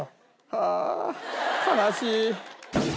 ああ悲しい。